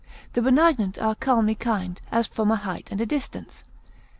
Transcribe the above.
The benignant are calmly kind, as from a height and a distance.